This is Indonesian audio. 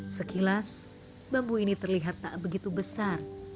sekilas bambu ini terlihat tak begitu besar